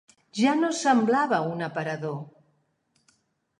Ja no semblava un aparador